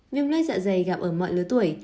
viêm lết dạ dày gặp ở mọi lứa tuổi